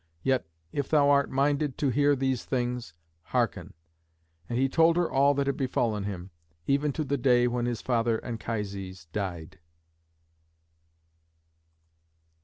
Yet, if thou art minded to hear these things, hearken." And he told her all that had befallen him, even to the day when his father Anchises died.